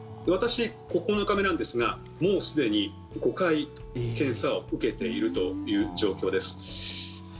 私、９日目なんですがもうすでに５回、検査を受けているという状況です。